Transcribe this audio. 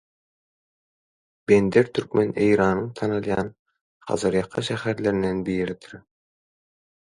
Bender Türkmen Eýranyň tanalýan Hazarýaka şäherlerinden biridir